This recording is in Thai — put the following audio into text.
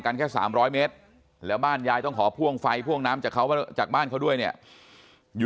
แค่๓๐๐เมตรแล้วบ้านยายต้องขอพ่วงไฟพ่วงน้ำจากเขาจากบ้านเขาด้วยเนี่ยอยู่